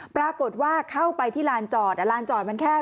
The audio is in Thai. ปรากฏว่าเข้าไปที่ลานจอดลานจอดมันแค่